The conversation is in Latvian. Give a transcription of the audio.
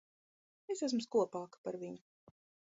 Es esmu skopāka par viņu.